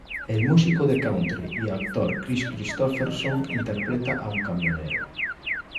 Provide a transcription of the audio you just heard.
El músico de country y actor Kris Kristofferson interpreta a un camionero.